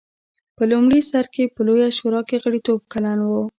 په لومړي سر کې په لویه شورا کې غړیتوب کلن و.